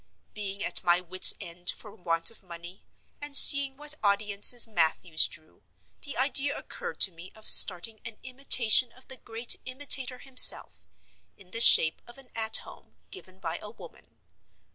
Being at my wits' end for want of money, and seeing what audiences Mathews drew, the idea occurred to me of starting an imitation of the great Imitator himself, in the shape of an "At Home," given by a woman.